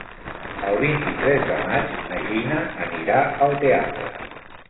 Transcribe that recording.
El vint-i-tres de maig na Gina anirà al teatre.